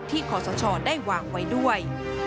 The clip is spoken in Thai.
ขอสชได้วางไว้ด้วย